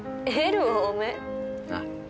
ああ。